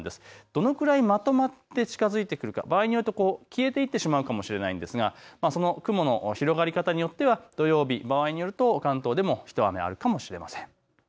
どれくらいまとまって近づいてくるか、場合によっては消えていってしまうかもしれませんが、この雲の広がり方によっては土曜日、場合によっては関東でも一雨あるかもしれません。